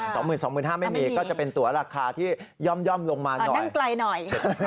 สองหมื่นสองหมื่นห้าไม่มีก็จะเป็นตัวราคาที่ย่อมลงมาหน่อยย่องไกลหน่อย